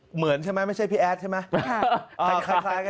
เหมือนใช่ไหมไม่ใช่พี่แอดใช่ไหม